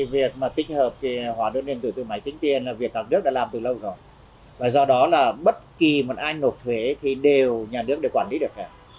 việc tích hợp hóa đơn điện tử từ máy tính tiền là việc tạng đức đã làm từ lâu rồi do đó bất kỳ ai nộp thuế đều nhà nước để quản lý được